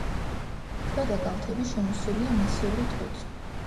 ქვედა კალთები შემოსილია მასიური ტყით.